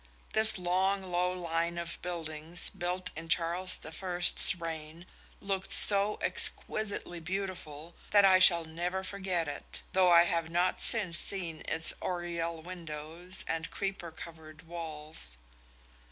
This long low line of buildings built in Charles I's reign looked so exquisitely beautiful that I shall never forget it, though I have not since seen its oriel windows and creeper covered walls.